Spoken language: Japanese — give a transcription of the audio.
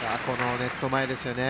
ネット前ですよね。